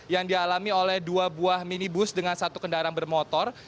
yang dialami oleh dua buah minibus dengan satu kendaraan bermotor